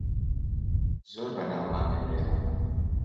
زۆر بەناوبانگن لێرە.